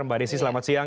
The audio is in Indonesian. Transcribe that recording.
mbak desi selamat siang